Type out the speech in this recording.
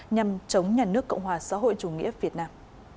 nhằm chống nhà nước cộng hòa xã hội chủ nghĩa việt nam